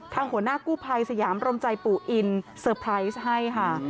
หัวหน้ากู้ภัยสยามรมใจปู่อินเตอร์ไพรส์ให้ค่ะ